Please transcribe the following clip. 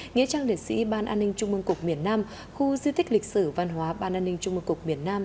nghĩa trang liệt sĩ ban an ninh trung mương cục miền nam khu di tích lịch sử văn hóa ban an ninh trung mương cục miền nam